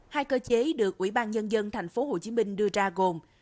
hai cơ chế được quỹ ban nhân dân tp hcm